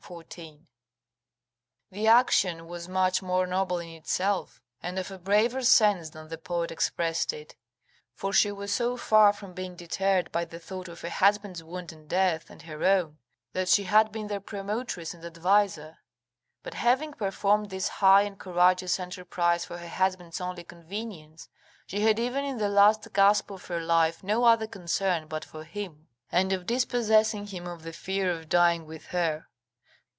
14.] The action was much more noble in itself, and of a braver sense than the poet expressed it: for she was so far from being deterred by the thought of her husband's wound and death and her own, that she had been their promotress and adviser: but having performed this high and courageous enterprise for her husband's only convenience, she had even in the last gasp of her life no other concern but for him, and of dispossessing him of the fear of dying with her.